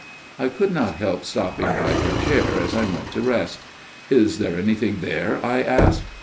" I could not help stopping by her chair as I went to rest. "' Is there anything there ?' I asked.